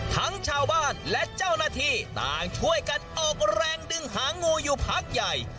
ทั้งชาวบ้านและเจ้าหน้าที่ต่างช่วยกันออกแรงดึงหางูอยู่พักใหญ่